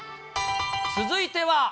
続いては。